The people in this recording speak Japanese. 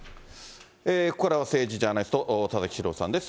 ここからは政治ジャーナリスト、田崎史郎さんです。